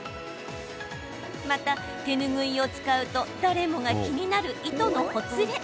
また、手ぬぐいを使うと誰もが気になる糸のほつれ。